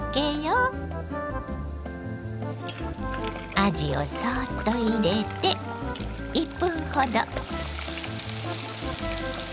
あじをそっと入れて１分ほど。